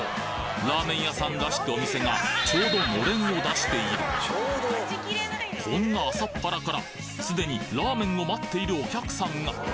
ラーメン屋さんらしきお店がちょうどのれんを出しているこんな朝っぱらからすでにラーメンを待っているお客さんが！